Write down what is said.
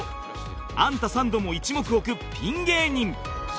アンタサンドも一目置くピン芸人